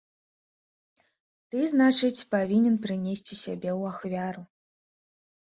Ты, значыць, павінен прынесці сябе ў ахвяру.